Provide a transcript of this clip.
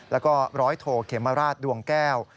แล้วก็ร้อยโทเขมราชดวงแก้ว